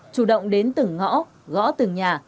chủ động đến từng ngõ gõ từng nhà